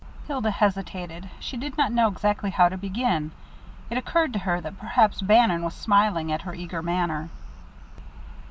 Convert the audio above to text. Hilda hesitated. She did not know exactly how to begin. It occurred to her that perhaps Bannon was smiling at her eager manner.